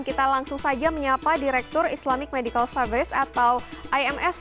kita langsung saja menyapa direktur islamic medical service atau ims